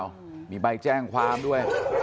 เนี่ยบรรยูศีแจ้งความด้วย